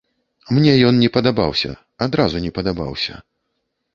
Мне ён не падабаўся, адразу не падабаўся.